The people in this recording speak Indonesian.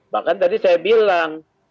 bahkan tadi saya bilang